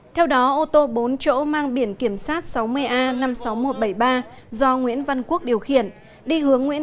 theo đó ô tô bốn chỗ mang biển kiểm soát sáu mươi a năm mươi sáu nghìn một trăm bảy mươi ba do nguyễn văn quốc điều khiển đi hướng nguyễn